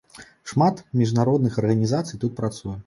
Шмат міжнародных арганізацый тут працуе.